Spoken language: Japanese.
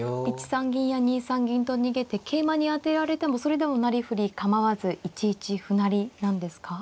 １三銀や２三銀と逃げて桂馬に当てられてもそれでもなりふり構わず１一歩成なんですか。